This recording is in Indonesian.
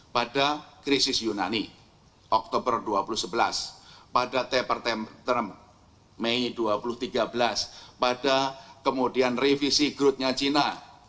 pada krisis yunani oktober dua ribu sebelas pada temper tantrum mei dua ribu tiga belas pada kemudian revisi grutnya cina dua ribu lima belas